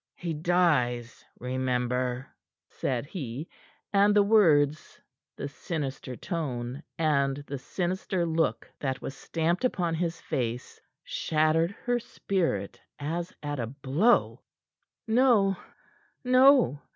"He dies, remember!" said he, and the words, the sinister tone and the sinister look that was stamped upon his face, shattered her spirit as at a blow. "No, no!"